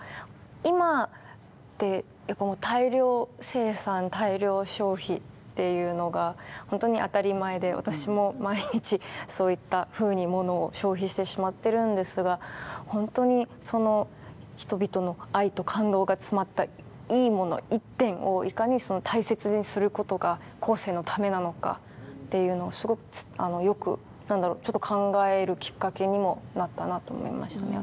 今ってやっぱ大量生産大量消費っていうのがホントに当たり前で私も毎日そういったふうに物を消費してしまってるんですがホントにその人々の愛と感動が詰まったいい物１点をいかに大切にすることが後世のためなのかっていうのをすごくよく何だろうちょっと考えるきっかけにもなったなと思いましたね